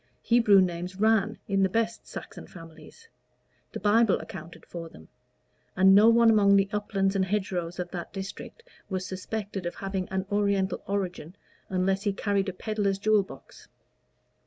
Hebrew names "ran" in the best Saxon families; the Bible accounted for them; and no one among the uplands and hedgerows of that district was suspected of having an oriental origin unless he carried a peddler's jewel box.